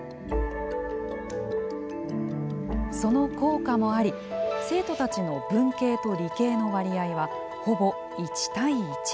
その効果もあり、生徒たちの文系と理系の割合は、ほぼ１対１。